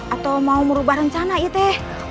atau mau merubah rencana itu